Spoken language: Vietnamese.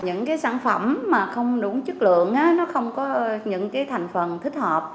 những cái sản phẩm mà không đúng chất lượng nó không có những cái thành phần thích hợp